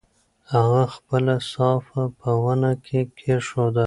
هغه خپله صافه په ونه کې کېښوده.